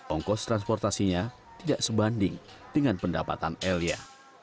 ongkos transportasinya tidak sebanding dengan pendapatan elia